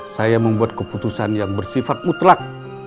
saya membuat keputusan yang bersifat mutlak